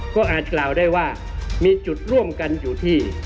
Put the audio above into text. ก็อาจกล่าวได้ว่ามีจุดร่วมกันอยู่ที่